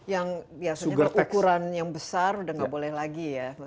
yang biasanya kalau ukuran yang besar udah nggak boleh lagi ya